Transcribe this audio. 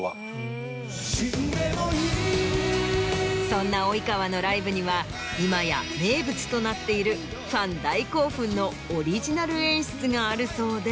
そんな及川のライブには今や名物となっているファン大興奮のオリジナル演出があるそうで。